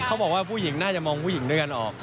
เขาบอกว่าผู้หญิงน่าจะมองผู้หญิงด้วยกันออก